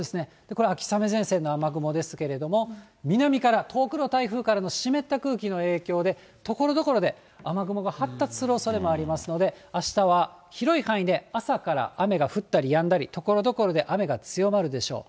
これは秋雨前線の雨雲ですけれども、南から、遠くの台風から湿った空気の影響で、ところどころで雨雲が発達するおそれがありますので、あしたは広い範囲で朝から雨が降ったりやんだり、ところどころで雨が強まるでしょう。